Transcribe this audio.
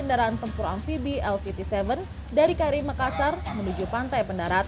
saya ulangi daratkan pasukan pendarat